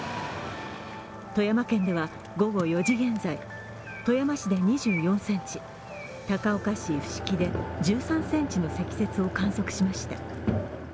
富山県では午後４時現在、富山市で２４ｃｍ、高岡市伏木で１３ｃｍの積雪を観測しました。